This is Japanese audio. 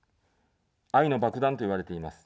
愛の爆弾といわれています。